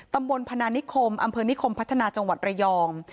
พนานิคมอำเภอนิคมพัฒนาจังหวัดระยอง